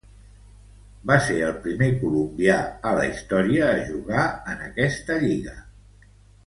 Va ser el primer colombià a la història a jugar en esta lliga.